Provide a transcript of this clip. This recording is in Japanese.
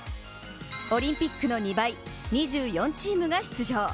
オリンピックの２倍、２４チームが出場。